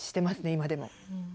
今でも。